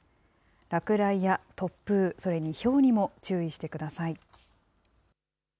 落雷や突風、それにひょうにも注意してください。